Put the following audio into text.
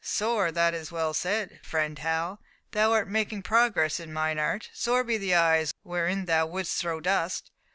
"Sore! that's well said, friend Hal. Thou art making progress in mine art! Sore be the eyes wherein thou wouldst throw dust."